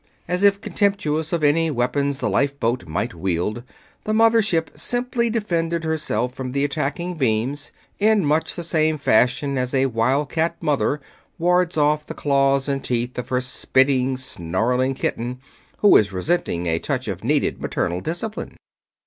As if contemptuous of any weapons the lifeboat might wield, the mother ship simply defended herself from the attacking beams, in much the same fashion as a wildcat mother wards off the claws and teeth of her spitting, snarling kitten who is resenting a touch of needed maternal discipline.